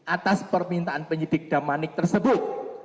atas permintaan penyidik damra manik tersebut